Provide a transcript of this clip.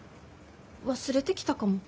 忘れてきたかも。